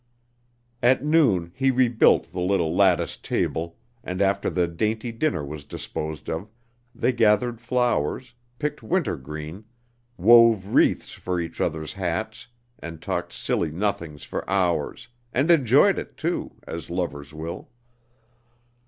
At noon he rebuilt the little lattice table, and after the dainty dinner was disposed of, they gathered flowers, picked wintergreen, wove wreaths for each other's hats and talked silly nothings for hours, and enjoyed it, too, as lovers will.